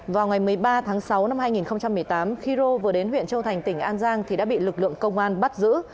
vào ngày một mươi ba tháng sáu năm hai nghìn một mươi tám khi rô vừa đến huyện châu thành tỉnh an giang thì đã bị lực lượng công an bắt giữ